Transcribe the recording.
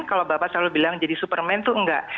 kalau bapak selalu bilang jadi superman itu nggak